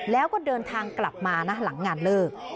แล้วก็เดินทางกลับมานะหลังงานเลิก